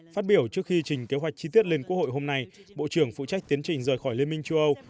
phát biểu trước khi trình kế hoạch chi tiết lên quốc hội hôm nay bộ trưởng phụ trách tiến trình rời khỏi liên minh châu âu